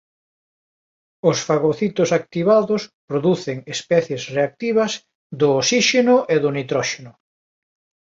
Os fagocitos activados producen especies reactivas do osíxeno e do nitróxeno.